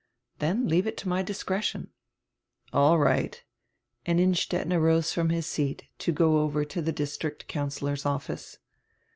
"Then leave it to my discretion." "All right," and Innstetten arose from his seat to go over to die district councillor's office.